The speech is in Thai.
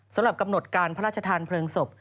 สำหรับกำหนดการพระราชทานเพลิงศพ